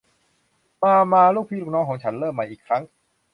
มา มา ลูกพี่ลูกน้องของฉัน เริ่มใหม่อีกครั้ง